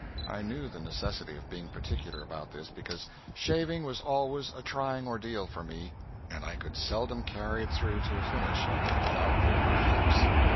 I knew the necessity of being particular about this, because shaving was always a trying ordeal for me, and I could seldom carry it through to a finish without verbal helps.